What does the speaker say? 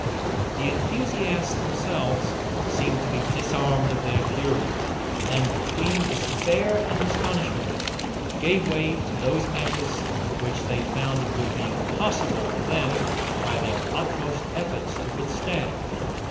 The enthusiasts themselves seemed to be disarmed of their fury; and, between despair and astonishment, gave way to those measures which they found it would be impossible for them, by their utmost efforts, to withstand.